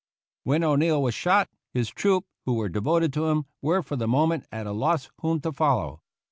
When O'Neill was shot, his troop, who were devoted to him, were for the moment at a loss whom to follow.